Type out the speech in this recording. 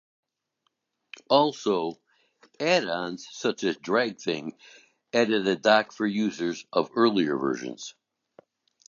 Also, add-ons such as DragThing added a dock for users of earlier versions.